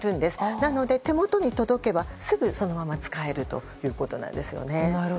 なので、手元に届けばすぐそのまま使えるんですね。